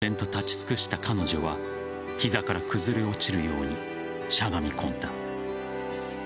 ぼう然と立ち尽くした彼女は膝から崩れ落ちるようにしゃがみ込んだ。